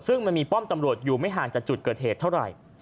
ซึ่งมันมีป้อมตำรวจอยู่ไม่ห่างจากจุดเกิดเหตุเท่าไหร่